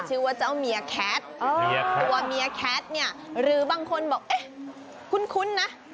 ชื่อว่าเจ้าเมียแคทตัวเมียแคทเนี่ยหรือบางคนบอกเอ๊ะคุ้นนะ